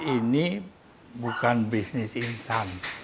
ini bukan bisnis insan